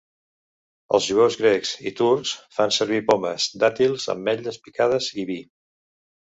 Els jueus grecs i turcs fan servir pomes, dàtils, ametlles picades i vi.